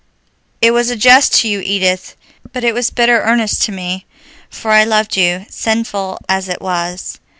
"It was a jest to you, Edith, but it was bitter earnest to me, for I loved you, sinful as it was.